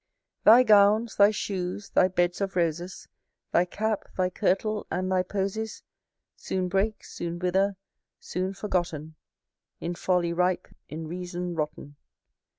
Thy gowns, thy shoes, thy beds of roses, Thy cap, thy kirtle, and thy posies, Soon break, soon wither, soon forgotten; In folly rise, in reason rotten.